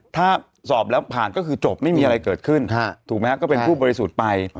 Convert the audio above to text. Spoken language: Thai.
ถ้าสอบแล้วผ่านก็คือจบไม่มีอะไรเกิดขึ้นถูกไหมครับก็เป็นผู้บริสุทธิ์ไป